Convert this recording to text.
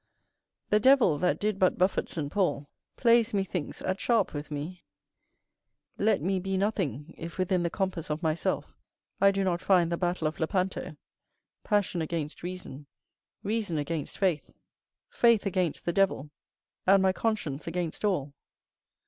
The devil, that did but buffet St Paul, plays methinks at sharp with me. Let me be nothing, if within the compass of myself, I do not find the battle of Lepanto, passion against reason, reason against faith, faith against the devil, and my conscience against all.